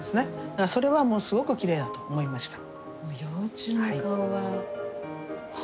だからそれはもうすごくきれいだと思いました。